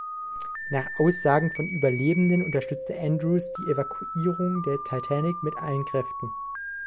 Nach Aussagen von Überlebenden unterstützte Andrews die Evakuierung der "Titanic" mit allen Kräften.